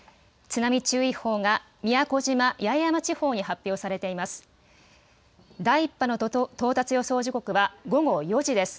津波注意報が宮古島・八重山地方に発表されています。